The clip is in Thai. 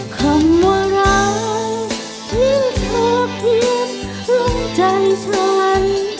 คำว่ารักที่เธอเพียงลงใจฉัน